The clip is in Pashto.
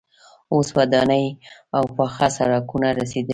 اوس ودانۍ او پاخه سړکونه رسیدلي.